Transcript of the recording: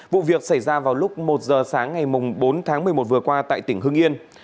vụ việc xảy ra vào lúc một giờ sáng ngày bốn tháng một mươi một vừa qua tại tỉnh hưng yên